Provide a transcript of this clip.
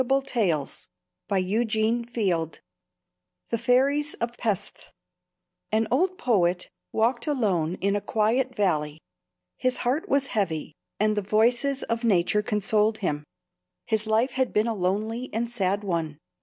+THE FAIRIES OF PESTH+ THE FAIRIES OF PESTH An old poet walked alone in a quiet valley. His heart was heavy, and the voices of Nature consoled him. His life had been a lonely and sad one.